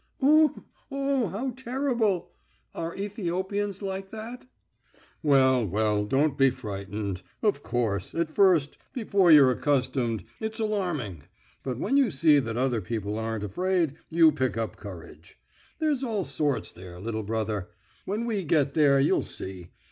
"Oi, oi, how terrible!... Are Ethiopians like that?" "Well, well, don't be frightened. Of course, at first, before you're accustomed, it's alarming. But when you see that other people aren't afraid, you pick up courage.... There's all sorts there, little brother. When we get there you'll see.